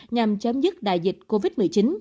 nhằm chấm dứt đại dịch covid một mươi chín